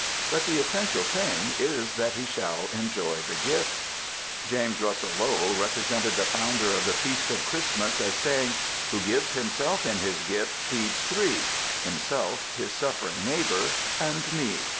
But the essential thing is that he shall enjoy the gift. James Russell Lowell represented the Founder of the Feast of Christmas as saying: "Who gives himself in his gift feeds three; himself, his suffering neighbour and me."